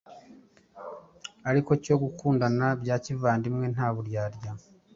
ari cyo- “gukundana bya kivandimwe nta buryarya.”